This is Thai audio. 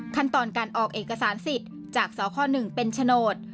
ขั้นตอนการออกเอกสารสิทธิ์จากสค๑เป็นโฉนด